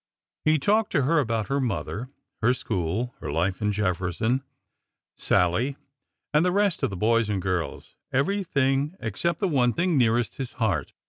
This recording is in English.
He talked to her about her mother, her school, her life in Jefferson, Sallie, and the rest of the boys and girls, — everything except the one thing nearest his heart.